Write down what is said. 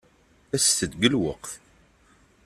Aset-d deg lweqt.